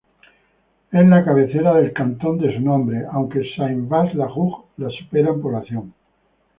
Es la cabecera del cantón de su nombre, aunque Saint-Vaast-la-Hougue la supera en población.